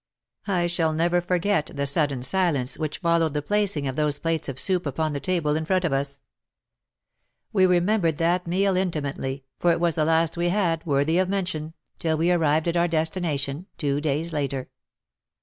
I shall never forget the sudden silence which followed the placing of those plates of soup upon the table in front of us. WAR AND WOMEN 97 We remembered that meal intimately, for it was the last we had, worthy of mention, till we arrived at our destination two days later.